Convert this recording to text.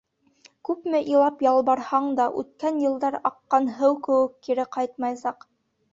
Күпме илап ялбарһаң да, үткән йылдар аҡҡан һыу кеүек кире ҡайтмаясаҡ.